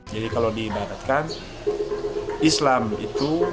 jadi kalau diibatkan islam itu